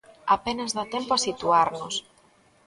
Apenas da tempo a situarnos.